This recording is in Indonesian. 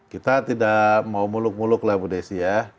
kita tidak mau muluk muluk lah mudesi ya